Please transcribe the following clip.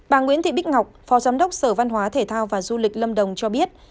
bà nguyễn thị bích ngọc phó giám đốc sở văn hóa thể thao và du lịch lâm đồng cho biết